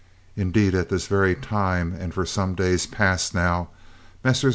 Indeed, at this very time and for some days past now, Messrs.